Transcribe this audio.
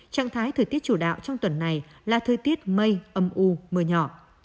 trạng thái thời tiết chủ đạo trong tuần này là thời tiết mây âm u mưa nhỏ